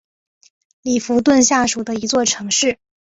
里弗顿下属的一座城市。